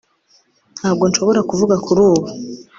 ntabwo nshobora kuvuga kuri ubu